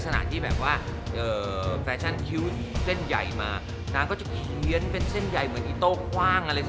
ซ้ายการบินไทยอแอร์เอเชย์เอ็กซ์